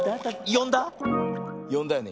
よんだよね？